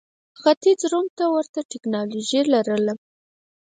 ختیځ روم ته ورته ټکنالوژي لرله.